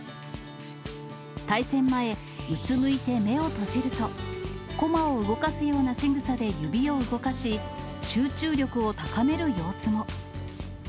対戦前、うつむいて目を閉じると、駒を動かすようなしぐさで指を動かし、集中力を高める様子も。